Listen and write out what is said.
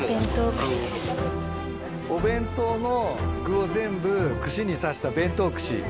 お弁当の具を全部串に刺した弁当串。